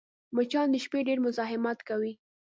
مچان د شپې ډېر مزاحمت کوي